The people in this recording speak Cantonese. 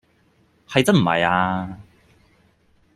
係真唔係呀